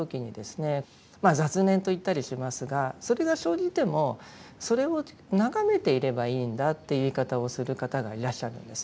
雑念といったりしますがそれが生じてもそれを眺めていればいいんだという言い方をする方がいらっしゃるんです。